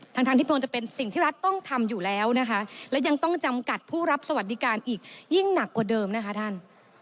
ทั้งทั้งที่ควรจะเป็นสิ่งที่รัฐต้องทำอยู่แล้วนะคะและยังต้องจำกัดผู้รับสวัสดิการอีกยิ่งหนักกว่าเดิมนะคะท่าน